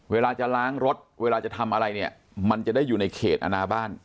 เวลาจะล้างรถเวลาจะทำอะไรเนี่ยมันจะได้อยู่ในเขตอนาบ้าน